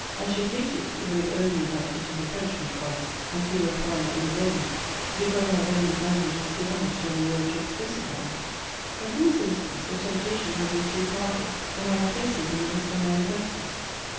I should hate it, if it were only that it is a Frenchman's vice, and feel a pride in avoiding it, because our own language is too honest to have a word to express it by. But in this instance the temptation had been too powerful, and I have placed it on the list of my offences.